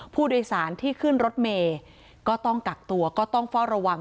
ผู้โดยสารที่ขึ้นรถเมย์ก็ต้องกักตัวก็ต้องเฝ้าระวัง